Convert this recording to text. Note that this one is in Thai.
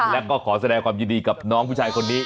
แล้วก็ขอแสดงความยินดีกับน้องผู้ชายคนนี้